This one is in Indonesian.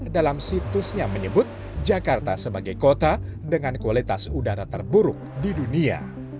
dalam situsnya menyebut jakarta sebagai kota dengan kualitas udara terburuk di dunia